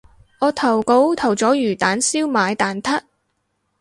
我投稿投咗魚蛋燒賣蛋撻